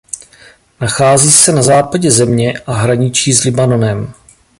Nachází na západě země a hraničí s Libanonem.